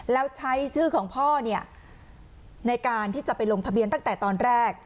แล้วใช้ชื่อของพ่อในการที่จะไปลงทะเบียนตั้งแต่ตอนแรก